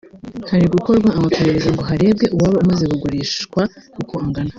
Hari gukorwa amaperereza ngo harebwe uwaba umaze kugurishwa uko ungana